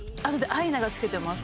アイナが付けてます。